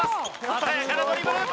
鮮やかなドリブル。